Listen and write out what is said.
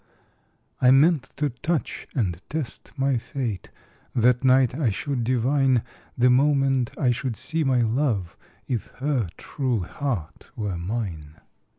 I meant to touch and test my fate; That night I should divine, The moment I should see my love, If her true heart were mine.